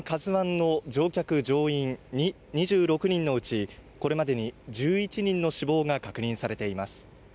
「ＫＡＺＵ１」の乗客乗員２６人のうちこれまでに１１人の死亡が確認されています